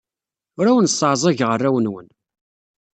Ur awen-sseɛẓageɣ arraw-nwen.